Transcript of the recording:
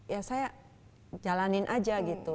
ya saya jalanin aja gitu